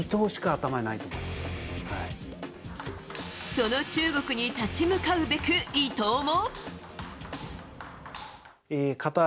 その中国に立ち向かうべく伊藤も。